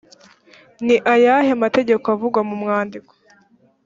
ni ayahe mategeko avugwa mu mwandiko